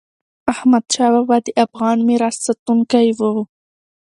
احمدشاه بابا د افغان میراث ساتونکی و.